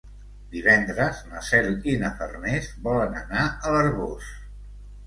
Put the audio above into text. Divendres na Cel i na Farners volen anar a l'Arboç.